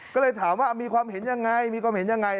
ก็เลยถามว่ามีความเห็นยังไงมีความเห็นยังไง